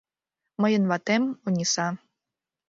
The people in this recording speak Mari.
Мыйын ватем, Ониса